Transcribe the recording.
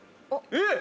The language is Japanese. えっ？